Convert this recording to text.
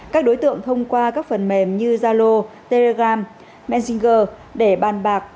các đối tượng thông qua các phần mềm như zalo telegram messenger để bàn bạc